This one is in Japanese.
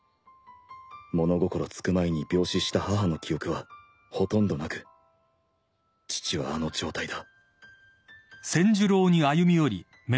物心つく前に病死した母の記憶はほとんどなく父はあの状態だ